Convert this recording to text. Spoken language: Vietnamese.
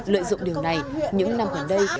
lợi dụng điều này những năm qua đây